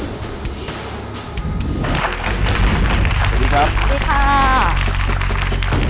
สวัสดีครับสวัสดีค่ะ